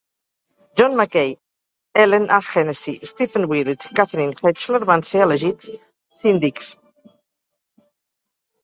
John Mackay, Ellen A. Hennessy, Stephen Willets i Catherine Hechler van ser elegits Síndics.